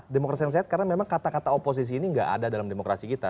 demokrasi yang sehat karena memang kata kata oposisi ini nggak ada dalam demokrasi kita